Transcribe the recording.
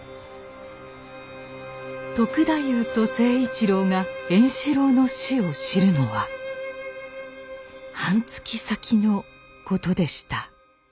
篤太夫と成一郎が円四郎の死を知るのは半月先のことでした。